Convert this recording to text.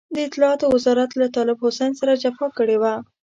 د اطلاعاتو وزارت له طالب حسين سره جفا کړې وه.